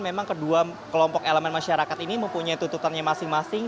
memang kedua kelompok elemen masyarakat ini mempunyai tuntutannya masing masing